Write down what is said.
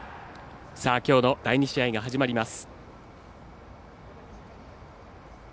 きょうの第２試合が始まります。